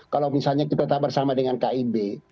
kalau misalnya kita tetap bersama dengan kib